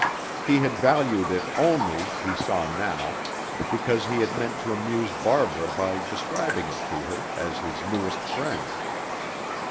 He had valued it only, he saw now, because he had meant to amuse Barbara by describing it to her, as his newest friend.